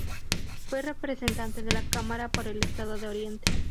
Fue representante de la Cámara, por el Estado de Oriente.